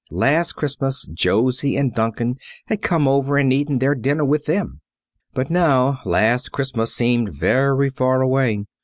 Last Christmas Josie and Duncan had come over and eaten their dinner with them. But now last Christmas seemed very far away.